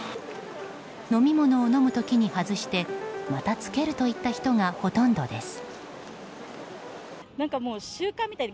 飲み物を飲む時に外してまた着けるといった人がほとんどです。